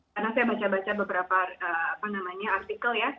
karena saya baca baca beberapa artikel ya